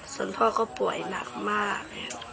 ส่วนพ่อก็ป่วยหนักมาก